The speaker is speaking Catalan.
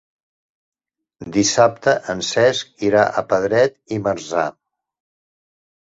Dissabte en Cesc irà a Pedret i Marzà.